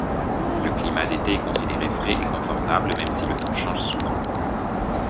Le climat d'été est considéré frais et confortable, même si le temps change souvent.